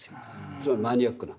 つまりマニアックな。